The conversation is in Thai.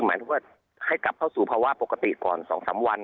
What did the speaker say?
หมายถึงว่าให้กลับเข้าสู่ภาวะปกติก่อน๒๓วัน